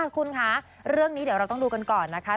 คุณคะเรื่องนี้เดี๋ยวเราต้องดูกันก่อนนะคะ